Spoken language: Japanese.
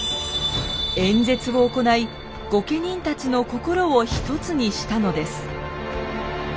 演説を行い御家人たちの心をひとつにしたのです。